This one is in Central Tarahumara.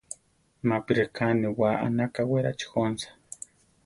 Mapi reká aniwá anaka Wérachi jónsa.